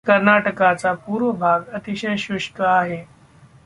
कर्नाटकाचा पूर्व भाग अतिशय शुष्क आहे.